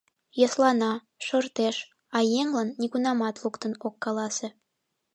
Йӧслана, шортеш, а еҥлан нигунамат луктын ок каласе.